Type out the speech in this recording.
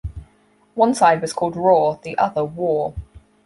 One side was called "Raw," the other "War.